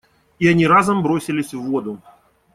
И они разом бросились в воду.